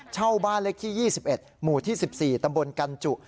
เช่าบ้านเลขที่๒๑หมู่ที่๑๔ตำบลกันจุ